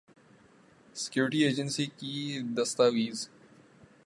security agency کی دستاویز